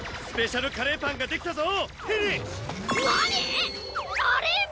スペシャルカレーパンができたぞフィニッシュ！